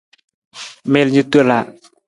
Miil ni tola.